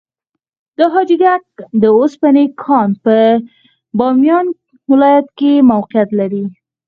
د حاجي ګک د وسپنې کان په بامیان ولایت کې موقعیت لري.